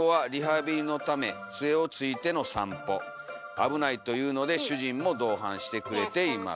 危ないというので主人も同伴してくれています」。